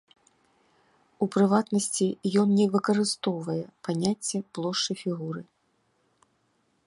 У прыватнасці, ён не выкарыстоўвае паняцце плошчы фігуры.